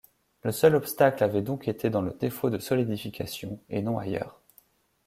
Le seul obstacle avait donc été dans le défaut de solidification, et non ailleurs.